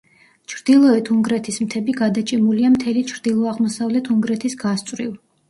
ჩრდილოეთ უნგრეთის მთები გადაჭიმულია მთელი ჩრდილო-აღმოსავლეთ უნგრეთის გასწვრივ.